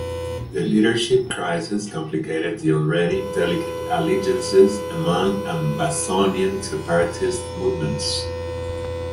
The leadership crisis complicated the already delicate allegiances among Ambazonian separatist movements.